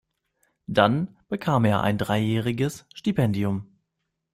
Dann bekam er ein dreijähriges Stipendium.